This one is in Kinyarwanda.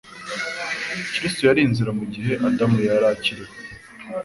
Kristo yari inzira mu gihe Adamu yari akiriho